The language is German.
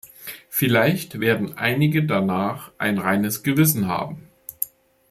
Vielleicht werden einige danach ein reines Gewissen haben.